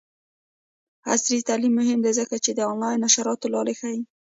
عصري تعلیم مهم دی ځکه چې د آنلاین نشراتو لارې ښيي.